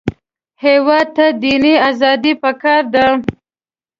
هېواد ته دیني ازادي پکار ده